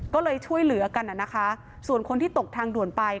ก็เลยช่วยเหลือกันนะคะส่วนคนที่ตกทางด่วนไป